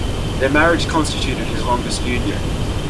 Their marriage constituted his longest union.